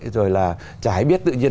rồi là trái biết tự nhiên